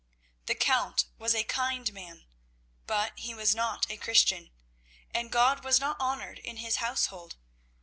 The Count was a kind man, but he was not a Christian, and God was not honoured in his household.